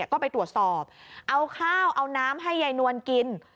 ก็ไปตรวจสอบเอาข้าวเอาน้ำให้ยายนวลกิน